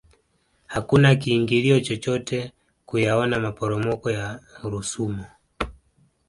hakuna kiingilio chochote kuyaona maporomoko ya rusumo